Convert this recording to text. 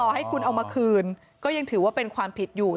ให้คุณเอามาคืนก็ยังถือว่าเป็นความผิดอยู่